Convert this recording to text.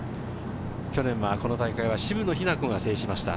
去年はこの大会は渋野日向子が制しました。